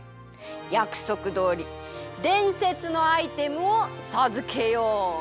やくそくどおりでんせつのアイテムをさずけよう。